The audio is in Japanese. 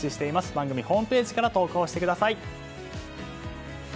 番組ホームページから投稿してください。